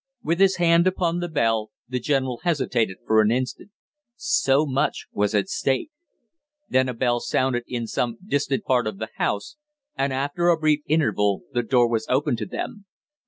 With his hand upon the bell, the general hesitated for an instant; so much was at stake! Then a bell sounded in some distant part of the house, and after a brief interval the door was opened to them.